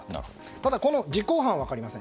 ただこの実行犯は分かりません。